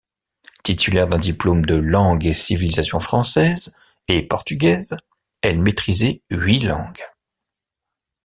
Titulaire d’un diplôme de langues et civilisations françaises et portugaises, elle maîtrisait huit langues.